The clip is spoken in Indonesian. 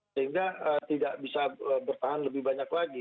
sehingga tidak bisa bertahan lebih banyak lagi